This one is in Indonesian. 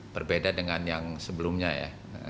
berbeda dengan yang sebelumnya ya